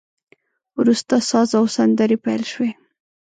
وروسته ساز او سندري پیل شوې.